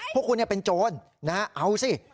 พวกคุณเป็นโจรเอาสิ